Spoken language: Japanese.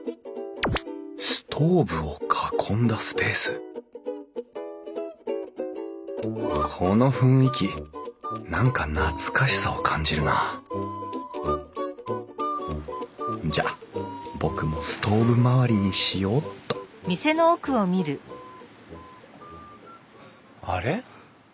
ストーブを囲んだスペースこの雰囲気何か懐かしさを感じるなじゃあ僕もストーブ周りにしようっとあれ？